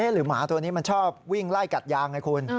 หมาตัวนี้มันชอบวิ่งไล่กัดยางไงคุณ